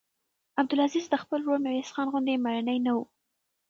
عبدالعزیز د خپل ورور میرویس خان غوندې مړنی نه و.